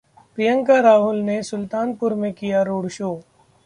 प्रियंका-राहुल ने सुल्तानपुर में किया रोड-शो